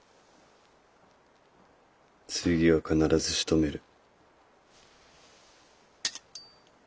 次は必ずしとめる。